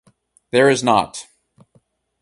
There is not.